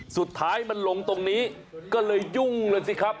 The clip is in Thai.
สุดท้ายมันลงตรงนี้ก็เลยยุ่งเลยสิครับ